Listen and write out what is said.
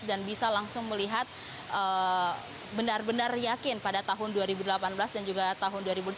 bisa langsung melihat benar benar yakin pada tahun dua ribu delapan belas dan juga tahun dua ribu sembilan belas